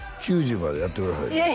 ９０までやってくださいよ